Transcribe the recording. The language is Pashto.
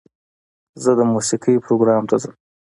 زه د موسیقۍ پروګرام ته ځم.